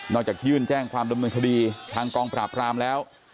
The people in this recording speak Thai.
จากยื่นแจ้งความดำเนินคดีทางกองปราบรามแล้ว